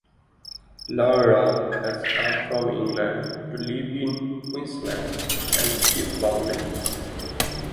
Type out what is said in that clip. Laura has come from England to live in Queensland and is lonely.